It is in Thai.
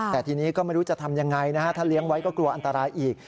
แต่ทีนี้ก็ไม่รู้จะทำยังไงนะฮะถ้าเลี้ยงไว้ก็กลัวอันตรายอีก